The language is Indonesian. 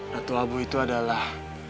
dato abu itu adalah